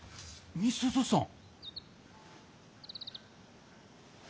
美鈴さん。